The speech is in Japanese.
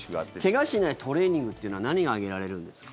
怪我しないトレーニングというのは何が挙げられるんですか？